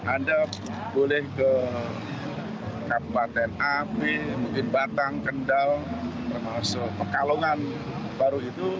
anda boleh ke kabupaten api mungkin batang kendal termasuk pekalongan baru itu